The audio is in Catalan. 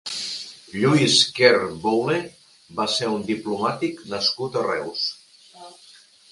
Lluís Quer Boule va ser un diplomàtic nascut a Reus.